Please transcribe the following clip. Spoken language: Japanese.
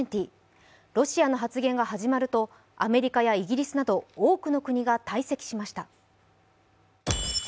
ロシアの発言が始まるとアメリカやイギリスなど多くの国が退席しました。